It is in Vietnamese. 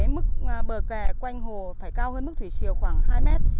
mức bờ kè quanh hồ phải cao hơn mức thủy chiều khoảng hai mét